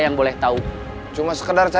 ada masalah apa